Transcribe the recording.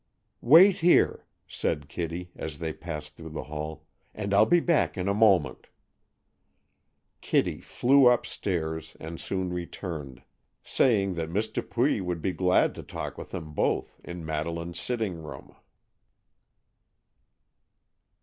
"Wait here," said Kitty, as they passed through the hall, "and I'll be back in a moment." Kitty flew upstairs, and soon returned, saying that Miss Dupuy would be glad to talk with them both in Madeleine's sitting room.